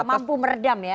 jadi nggak mampu meredam ya